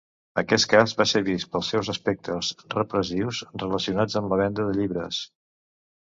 Aquest cas va ser vist pels seus aspectes repressius relacionats amb la venda de llibres.